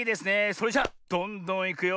それじゃどんどんいくよ。